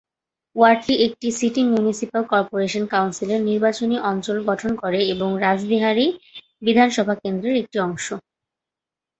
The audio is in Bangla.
ওয়ার্ডটি একটি সিটি মিউনিসিপাল কর্পোরেশন কাউন্সিলের নির্বাচনী অঞ্চল গঠন করে এবং রাসবিহারী বিধানসভা কেন্দ্রর একটি অংশ।